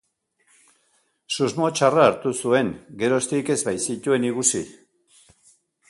Susmo txarra hartu zuen, geroztik ez baitzituen ikusi.